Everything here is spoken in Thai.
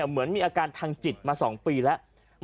เหมือนมีอาการทางจิตมา๒ปีแล้ว